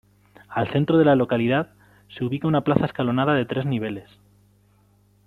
Al centro de la localidad, se ubica una plaza escalonada de tres niveles.